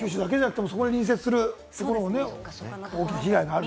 そこに隣接するところもね、大きな被害になると。